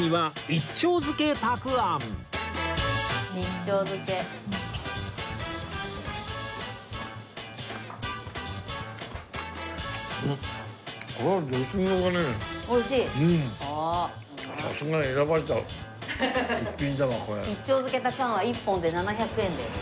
一丁漬たくあんは１本で７００円です。